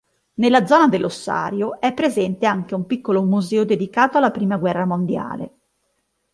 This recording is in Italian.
Nella zona dell'ossario è presente anche un piccolo museo dedicato alla prima guerra mondiale.